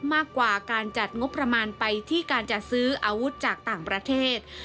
มากกว่าการจัดงบประมาณไปที่การจัดซื้ออาวุธจากต่างประเทศ